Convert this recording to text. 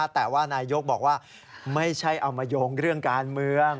แต่ว่านายยกบอกว่าไม่ใช่เอามาโยงเรื่องการเมือง